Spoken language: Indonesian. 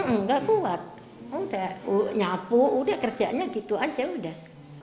enggak kuat udah nyapu udah kerjanya gitu aja udah